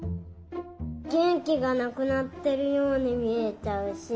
げんきがなくなってるようにみえちゃうし。